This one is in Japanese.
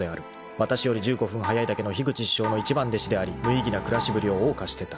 ［わたしより１５分早いだけの樋口師匠の一番弟子であり無意義な暮らしぶりを謳歌してた］